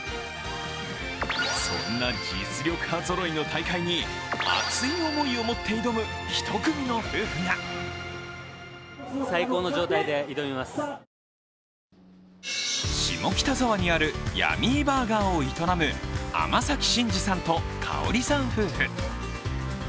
そんな実力派ぞろいの大会に熱い思いを持って挑む１組の夫婦が下北沢にあるＹＵＭＭＹＢＵＲＧＥＲを営む尼崎新二さんと香さん夫婦。